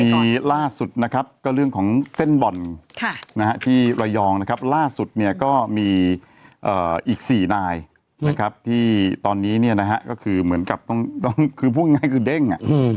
มีล่าสุดนะครับก็เรื่องของเส้นบ่นที่รยองนะครับล่าสุดเนี่ยก็มีอีก๔นายที่ตอนนี้ก็คือเพิ่งง่ายเขาเด้ง